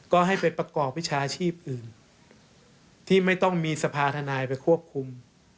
ก็ให้ไปประกอบวิชาชีพอื่นที่ไม่ต้องมีสภาธนายไปควบคุม